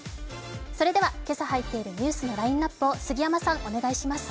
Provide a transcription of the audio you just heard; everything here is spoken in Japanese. それでは今朝入っているニュースのラインナップを杉山さんお願いします。